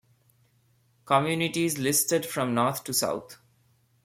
Communities listed from north to south.